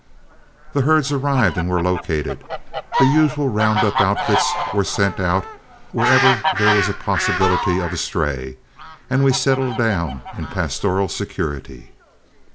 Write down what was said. The herds arrived and were located, the usual round up outfits were sent out wherever there was the possibility of a stray, and we settled down in pastoral security.